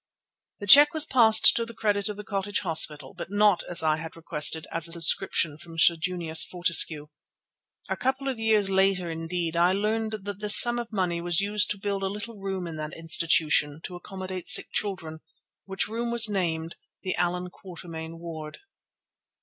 The cheque was passed to the credit of the Cottage Hospital, but not, as I had requested, as a subscription from Sir Junius Fortescue. A couple of years later, indeed, I learned that this sum of money was used to build a little room in that institution to accommodate sick children, which room was named the Allan Quatermain ward.